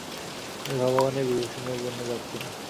আমি ভগবানের বিভূষণের জন্য যাচ্ছি না।